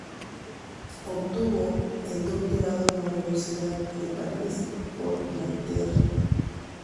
Obtuvo el doctorado en la Universidad de París X Nanterre.